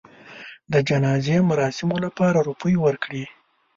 د جنازې مراسمو لپاره روپۍ ورکړې.